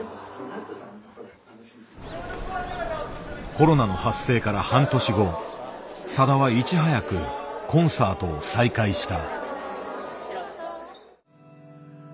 コロナの発生から半年後さだはいち早くコンサートを再開した。